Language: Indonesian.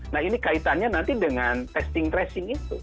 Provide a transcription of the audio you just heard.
nah ini kaitannya nanti dengan testing tracing itu